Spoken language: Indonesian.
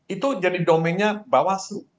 itu jadi domennya bawah seluruh